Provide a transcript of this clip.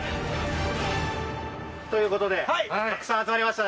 ということでたくさん集まりましたね。